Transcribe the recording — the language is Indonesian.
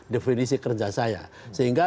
definisi kerja saya sehingga